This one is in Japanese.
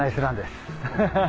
ハハハ！